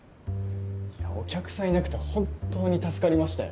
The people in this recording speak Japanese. いやお客さんいなくて本当に助かりましたよ。